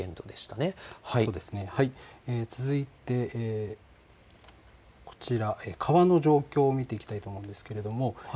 続いてこちら、川の状況を見ていきたいと思います。